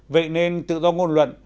vậy nên tự do ngôn luận